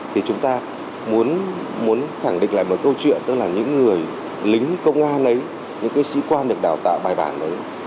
thì chúng ta muốn khẳng định lại một câu chuyện tức là những người lính công an ấy những cái sĩ quan được đào tạo bài bản